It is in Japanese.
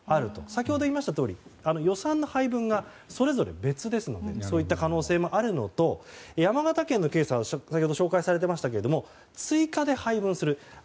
先ほど言いましたとおり予算の配分がそれぞれ、別ですのでそういった可能性もあるのと山形県の件、先ほどご紹介されていましたが追加で配分する。